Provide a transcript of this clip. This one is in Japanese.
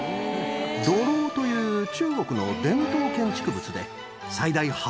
土楼という中国の伝統建築物で。